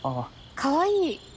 かわいい！